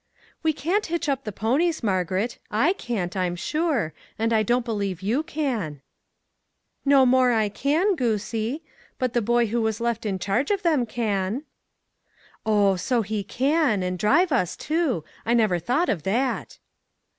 " We can't hitch up the ponies, Margaret ;/ can't, I'm sure, and I don't believe you can." " No more I can, goosie ! but the boy who was left in charge of them can." 231 ,MAG AND MARGARET " On, so he can, and drive us, too ; I 'never thought of that."